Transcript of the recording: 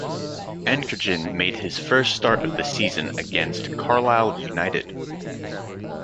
Ankergen made his first start of the season against Carlisle United.